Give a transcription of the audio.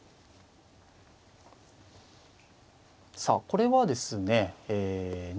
さあこれはですねえ